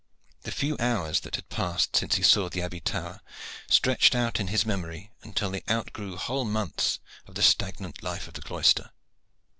The few hours that had passed since he saw the Abbey tower stretched out in his memory until they outgrew whole months of the stagnant life of the cloister.